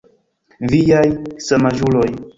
Viaj samaĝuloj.